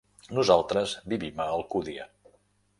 Nosaltres vivim a Alcúdia.